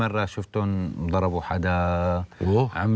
มีใครต้องจ่ายค่าคุมครองกันทุกเดือนไหม